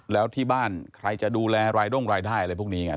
แล้วที่บ้านใครจะดูแลรายด้งรายได้อะไรพวกนี้ไง